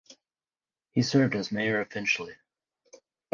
He served as Mayor of Finchley.